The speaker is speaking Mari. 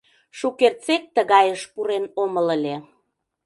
Шукертсек тыгайыш пурен омыл ыле.